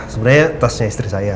sebenarnya tasnya istri saya